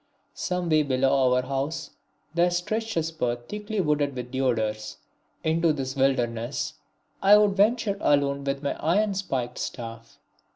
Some way below our house there stretched a spur thickly wooded with Deodars. Into this wilderness I would venture alone with my iron spiked staff.